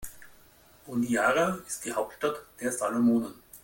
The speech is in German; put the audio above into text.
Honiara ist die Hauptstadt der Salomonen.